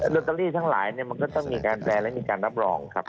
ลอตเตอรี่ทั้งหลายมันก็ต้องมีการแปลและมีการรับรองครับ